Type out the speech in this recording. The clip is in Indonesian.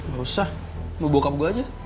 gak usah mau bokap gue aja